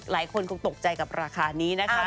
หลายคนคงตกใจกับราคานี้นะคะ